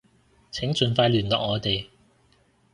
請盡快聯絡我哋